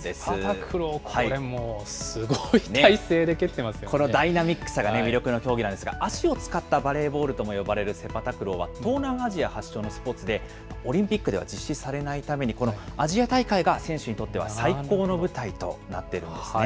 セパタクロー、これもう、このダイナミックさが魅力の競技なんですが、足を使ったバレーボールとも呼ばれるセパタクローは東南アジア発祥のスポーツで、オリンピックでは実施されないために、このアジア大会が選手にとっては最高の舞台となっているんですね。